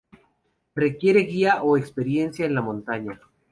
Requiere guía o experiencia en la montaña.